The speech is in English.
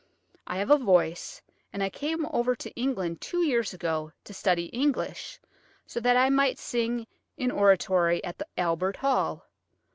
I have a voice, and I came over to England two years ago to study English, so that I might sing in oratorio at the Albert Hall.